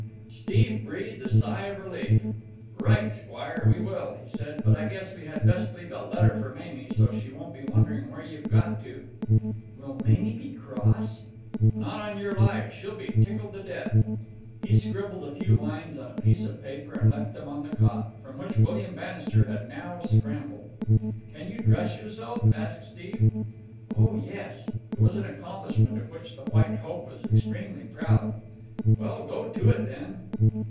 Steve breathed a sigh of relief. "Right, squire; we will," he said. "But I guess we had best leave a letter for Mamie, so's she won't be wondering where you've got to." "Will Mamie be cross?" "Not on your life. She'll be tickled to death." He scribbled a few lines on a piece of paper and left them on the cot, from which William Bannister had now scrambled. "Can you dress yourself?" asked Steve. "Oh, yes." It was an accomplishment of which the White Hope was extremely proud. "Well, go to it, then."